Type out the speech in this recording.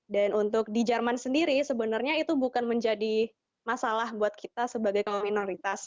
dan untuk di jerman sendiri sebenarnya itu bukan menjadi masalah buat kita sebagai keminoritas